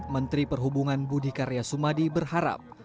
menteri perhubungan budi karya sumadi berharap